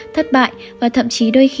thất bại và thậm chí đôi khi